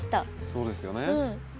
そうですよね。